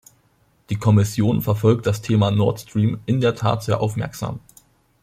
Die Kommission verfolgt das Thema Nord Stream in der Tat sehr aufmerksam.